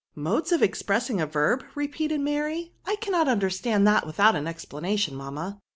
" Modes of expressing a verb !" repeated Mary ;'* I cannot understand that without an explanation, mamma."